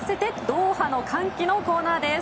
ドーハの歓喜のコーナーです。